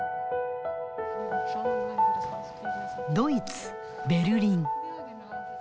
ドイツ・ベルリン。